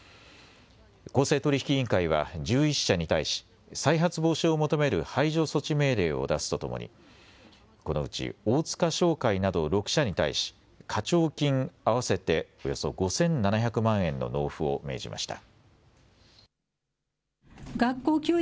公正取引委員会は１１社に対し再発防止を求める排除措置命令を出すとともにこのうち大塚商会など６社に対し課徴金合わせておよそ５７００万円の納付を命じました。